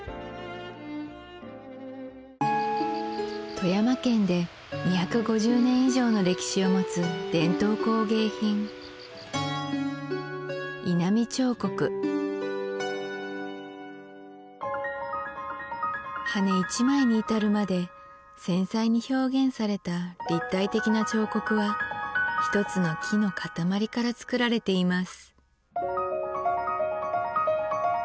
富山県で２５０年以上の歴史を持つ伝統工芸品羽一枚にいたるまで繊細に表現された立体的な彫刻はひとつの木の塊からつくられています